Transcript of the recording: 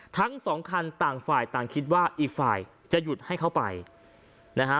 ทั้งสองคันต่างฝ่ายต่างคิดว่าอีกฝ่ายจะหยุดให้เข้าไปนะฮะ